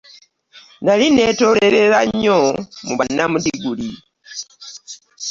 Nnali nneetooloolera nnyo mu bannamudiguli.